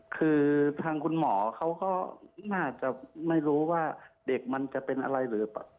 คือทางคุณหมอเขาก็น่าจะไม่รู้ว่าเด็กมันจะเป็นอะไรหรือ